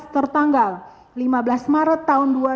tertanggal lima belas maret dua ribu enam belas